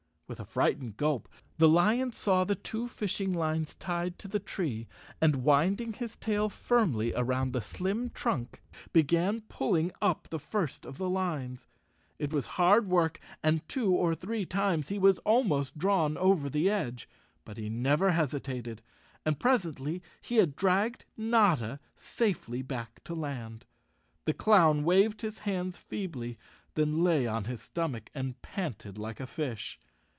With a frightened gulp, the lion saw the two fishing lines tied to the tree and, winding his tail firmly around the slim trunk, began pulling up the first of the lines. It was hard work and two or three times he was almost drawn over the edge, but he never hesitated, and presently he had dragged Notta safely back to land. The clown waved his hands feebly, then lay on his stomach and panted like a fish.